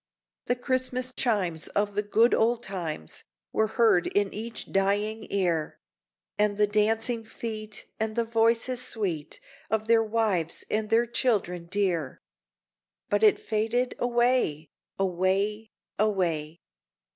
The Christmas chimes, of the good old times, Were heard in each dying ear, And the dancing feet, and the voices sweet Of their wives and their children dear! But it faded away away away!